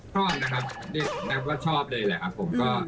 ชอบนะครับแป๊บว่าชอบเลยแหละครับผม